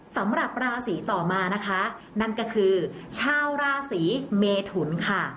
สำหรับราศีต่อมานะคะนั่นก็คือชาวราศีเมทุนค่ะ